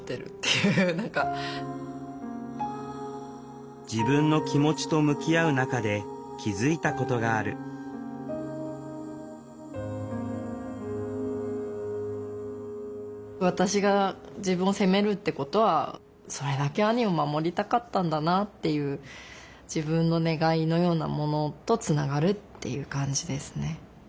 本当にこう自分の気持ちと向き合う中で気付いたことがある私が自分を責めるってことはそれだけ兄を守りたかったんだなっていう自分の願いのようなものとつながるっていう感じですね。